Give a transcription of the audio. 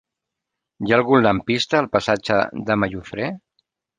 Hi ha algun lampista al passatge de Mallofré?